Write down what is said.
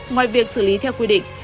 ngoài việc xử lý theo quy định